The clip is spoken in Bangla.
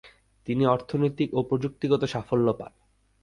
তিনি অর্থনৈতিক ও প্রযুক্তিগত সাফল্য পান।